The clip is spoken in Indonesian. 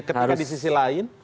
ketika di sisi lain